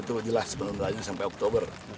itu jelas menundaannya sampai oktober